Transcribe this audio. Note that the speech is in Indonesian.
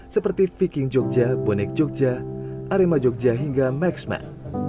seperti viking jogja bonek jogja arema jogja hingga maxman